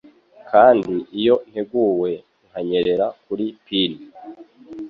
Kandi iyo nteguwe, nkanyerera kuri pin,